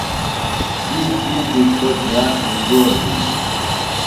تی ݜیٹیۡ سوۡ زِیات انگور دی دےۡ۔